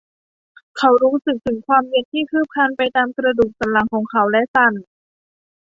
เขารู้สึกถึงความเย็นที่คืบคลานไปตามกระดูกสันหลังของเขาและสั่น